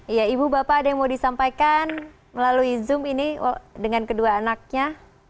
iya ibu bapak ada yang mau disampaikan melalui zoom ini dengan kedua anaknya